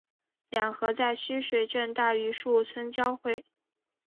两河在须水镇大榆林村交汇。